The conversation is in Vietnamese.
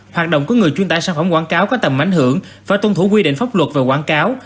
hoạt động của người chuyển tải sản phẩm quảng cáo có tầm ảnh hưởng phải tuân thủ quy định pháp luật về quảng cáo